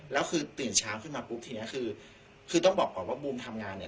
แล้วคือตื่นเช้าขึ้นมาปุ๊บทีนี้คือคือต้องบอกก่อนว่าบูมทำงานเนี่ย